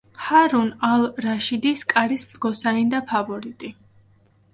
ჰარუნ ალ-რაშიდის კარის მგოსანი და ფავორიტი.